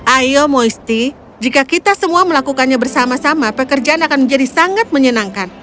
ayo moisty jika kita semua melakukannya bersama sama pekerjaan akan menjadi sangat menyenangkan